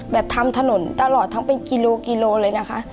ทำถนนตลอดทั้งเป็นกิโลกิโลเลยนะคะ